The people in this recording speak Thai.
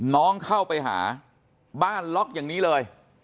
เข้าไปหาบ้านล็อกอย่างนี้เลย